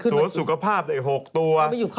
สุขภาพได้๖ตัว